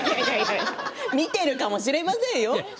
見てるかもしれませんよ。